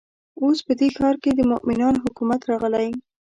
اوس په دې ښار کې د مؤمنانو حکومت راغلی.